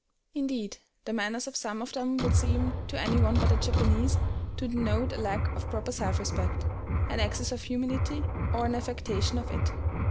Indeed, the manners of some of them would seem, to any one but a Japanese, to denote a lack of proper self respect, an excess of humility, or an affectation of it.